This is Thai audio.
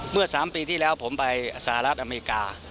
เมื่อ๓ปีที่แล้วผมไปสหรัฐอเมริกา